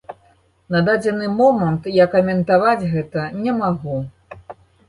На дадзены момант я каментаваць гэта не магу.